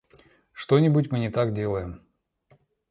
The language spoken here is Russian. Что-нибудь мы не так делаем.